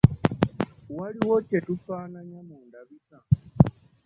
Waliwo kye tufaananya mu ndabika?